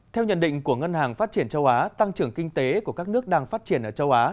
theo nhận định của ngân hàng phát triển châu á tăng trưởng kinh tế của các nước đang phát triển ở châu á